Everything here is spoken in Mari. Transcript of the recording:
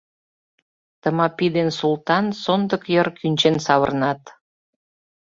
Тымапи ден Султан сондык йыр кӱнчен савырнат.